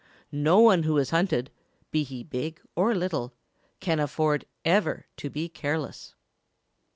No one who is hunted, be he big or little, can afford ever to be careless.